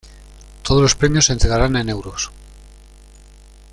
Todos los Premios se entregarán en Euros.